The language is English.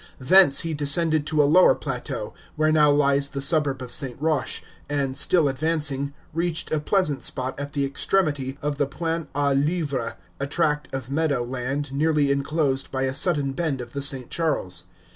Thence he descended to a lower plateau, where now lies the suburb of St. Roch, and, still advancing, reached a pleasant spot at the extremity of the Pointe aux Lièvres, a tract of meadow land nearly inclosed by a sudden bend of the St. Charles.